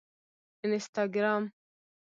انسټاګرام